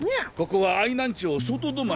ここは愛南町外泊。